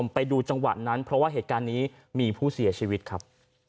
ไปดูจังหวะนั้นเพราะว่าเหตุการณ์นี้มีผู้เสียชีวิตครับ